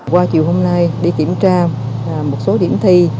qua chiều hôm nay đi kiểm tra một số điểm thi